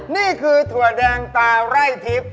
นี่คือถั่วแดงตาไร่ทิพย์